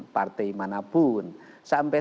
partai manapun sampai